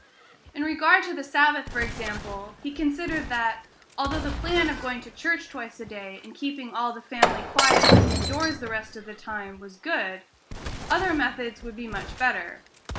In regard to the Sabbath, for example, he considered that, although the plan of going to church twice a day, and keeping all the family quiet within doors the rest of the time, was good, other methods would be much better.